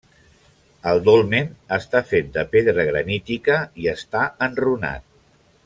El dolmen està fet de pedra granítica i està enrunat.